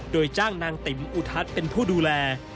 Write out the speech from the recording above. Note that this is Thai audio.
โดยจ้างนางติ๋มอุทัศน์เป็นผู้ดูแล